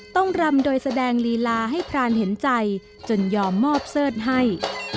รำโดยแสดงลีลาให้พรานเห็นใจจนยอมมอบเสิร์ธให้